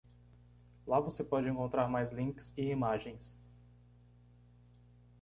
Lá você pode encontrar mais links e imagens.